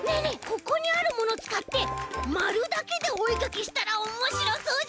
ここにあるものつかってまるだけでおえかきしたらおもしろそうじゃない？